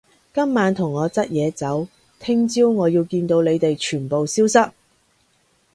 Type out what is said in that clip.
今晚同我執嘢走，聽朝我要見到你哋全部消失